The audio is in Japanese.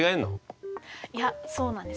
いやそうなんですよ。